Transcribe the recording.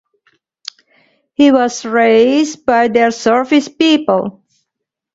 He was raised by their service people.